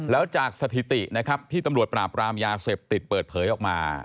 แล้วจากสถิตินะครับที่ตำรวจปราบรามยาเสพติดเปิดเผยออกมา